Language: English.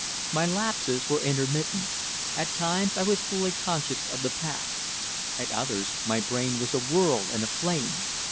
My lapses were intermittent. At times I was fully conscious of the past. At others my brain was awhirl and aflame.